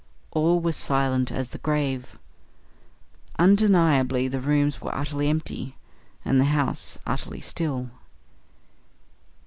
All was silent as the grave. Undeniably the rooms were utterly empty, and the house utterly still.